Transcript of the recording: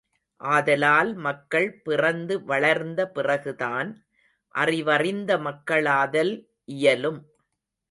ஆதலால் மக்கள் பிறந்து வளர்ந்த பிறகுதான் அறிவறிந்த மக்களாதல் இயலும்.